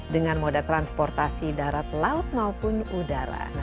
dengan moda transportasi darat laut maupun udara